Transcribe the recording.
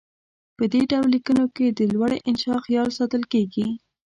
په دې ډول لیکنو کې د لوړې انشاء خیال ساتل کیږي.